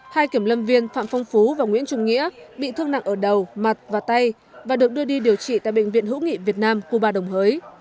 hai kiểm lâm viên phạm phong phú và nguyễn trung nghĩa bị thương nặng ở đầu mặt và tay và được đưa đi điều trị tại bệnh viện hữu nghị việt nam cuba đồng hới